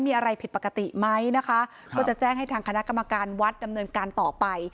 มีอะไรผิดปกติไหมนะคะก็จะแจ้งให้ทางคณะกรรมการวัดดำเนินการต่อไป